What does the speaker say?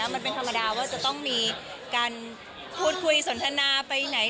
มันเป็นธรรมดาว่าจะต้องมีการพูดคุยสนทนาไปไหน